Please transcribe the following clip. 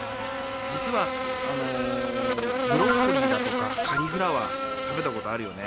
じつはブロッコリーだとかカリフラワー食べたことあるよね？